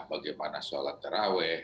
bagaimana sholat taraweh